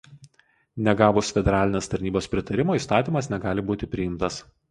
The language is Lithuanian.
Negavus Federalinės tarybos pritarimo įstatymas negali būti priimtas.